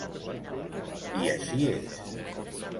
I així és.